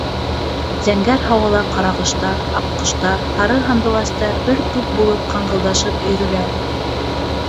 Зәңгәр һауала ҡарағоштар, аҡҡоштар, һары һандуғастар бер туп булып ҡаңғылдашып өйрөлә.